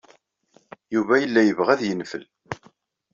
Yuba yella yebɣa ad yenfel.